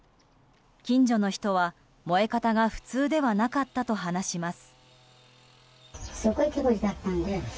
近所の人は、燃え方が普通ではなかったと話します。